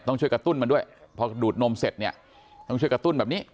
ช่วยกระตุ้นมันด้วยพอดูดนมเสร็จเนี่ยต้องช่วยกระตุ้นแบบนี้